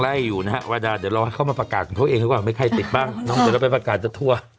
ไล่อยู่นะฮะว่าเดี๋ยวเราให้เข้ามาประกาศของเขาเองด้วยว่าไม่ใครติดบ้างน้องตัวเราไปประกาศจะทั่ว